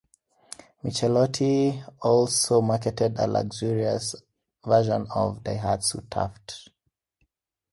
Michelotti also marketed a luxurious version of the Daihatsu Taft.